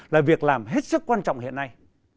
là việc làm hết sức quan trọng hiện nay